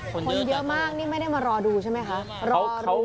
คนเยอะมากนี่ไม่ได้มารอดูใช่ไหมคะรอดู